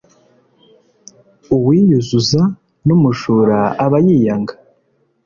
Uwiyuzuza n umujura aba yiyanga